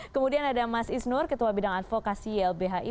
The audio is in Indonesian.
kemudian ada mas isnur ketua bidang advokasi ylbhi